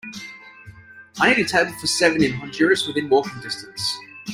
I need a table for seven in Honduras within walking distance